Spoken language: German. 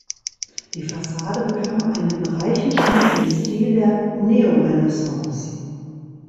Die Fassade bekam einen reichen Schmuck im Stil der Neorenaissance.